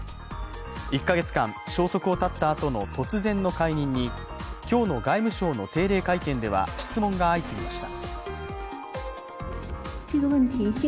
１か月間、消息をたったあとの突然の解任に今日の外務省の定例会見では質問が相次ぎました。